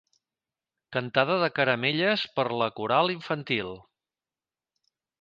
Cantada de caramelles per la coral infantil.